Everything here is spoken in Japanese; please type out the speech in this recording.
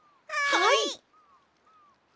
はい！